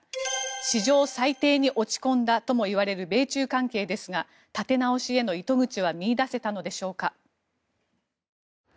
史上最低に落ち込んだともいわれる米中関係ですが立て直しへの糸口は見いだせたのでしょうか。